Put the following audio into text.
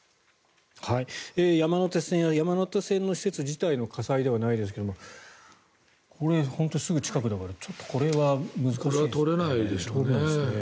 山手線や山手線の施設自体の火災ではありませんがこれ本当にすぐ近くだからちょっと難しいですね。